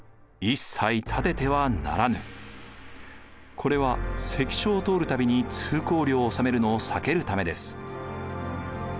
これは関所を通る度に通行料を納めるのを避けるためです。